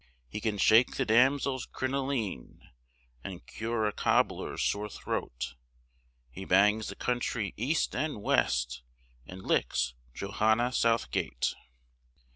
He can shake the damsels' crinoline, And cure a cobbler's sore throat; He bangs the country east and west, And licks Johanna Southgate.